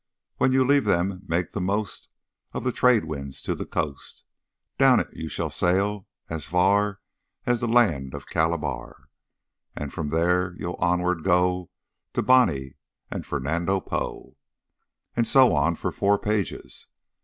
When you leave them make the most Of the trade winds to the coast. Down it you shall sail as far As the land of Calabar, And from there you'll onward go To Bonny and Fernando Po" and so on for four pages.